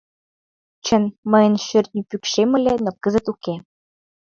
Чын, мыйын шӧртньӧ пӱкшем ыле, но кызыт уке.